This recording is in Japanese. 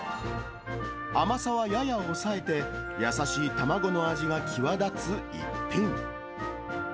甘さはやや抑えて、優しい卵の味が際立つ逸品。